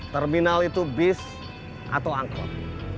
terminal itu bis atau angkot